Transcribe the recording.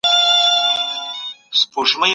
څو کاله وړاندې مې یوه کوچنۍ مقاله خپره کړه.